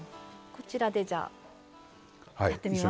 こちらでじゃあやってみます。